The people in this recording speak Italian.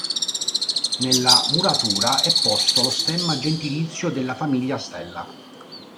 Nella muratura è posto lo stemma gentilizio della famiglia Stella.